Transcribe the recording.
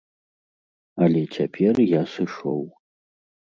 Але цяпер я сышоў.